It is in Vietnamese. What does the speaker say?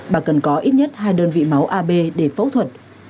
bà cần có ít nhất hai đơn vị máu ab để phẫu thuật